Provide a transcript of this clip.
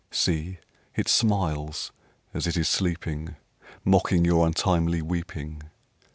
See, it smiles as it is sleeping, _5 Mocking your untimely weeping.